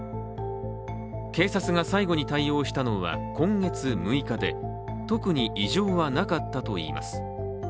警察が最後に対応したのは今月６日で特に異常はなかったといいます。